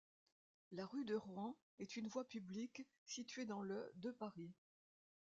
La rue de Rouen est une voie publique située dans le de Paris.